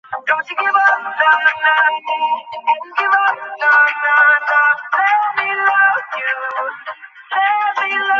লোকেদের মুখ দেখাবো কী করে?